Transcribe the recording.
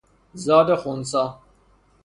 زاد خنثی